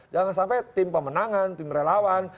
jangan sampai tim pemenangan tim relawan